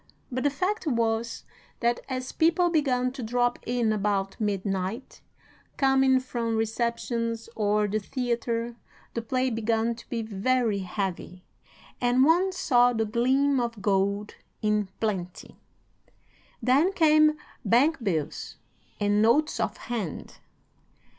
But the fact was, that as people began to drop in about midnight, coming from receptions or the theatre, the play began to be very heavy, and one saw the gleam of gold in plenty. Then came bank bills and notes of hand.